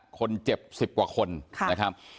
คนเจ็บ๑๐กว่าคนนะครับ